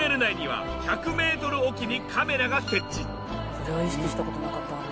それは意識した事なかったわね。